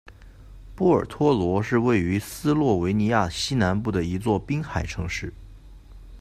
波尔托罗是位于斯洛维尼亚西南部的一座滨海城市。